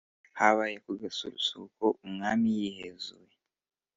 habaye kugasusuruko umwami yihezuye